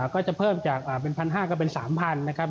ก็จะเพิ่มจากเป็น๑๕๐๐ก็เป็น๓๐๐นะครับ